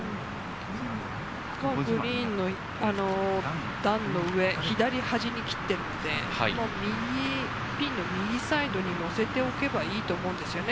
グリーンの段の上、左端に切っているので、ピンの右サイドにのせておけばいいと思うんですよね。